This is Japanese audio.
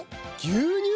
牛乳。